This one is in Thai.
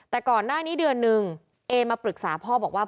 แต่ก่อนหน้านี้เดือนนึงเอมาปรึกษาพ่อบอกว่า